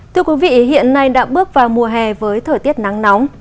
thưa quý vị hiện nay đã bước vào mùa hè với thời tiết nắng nóng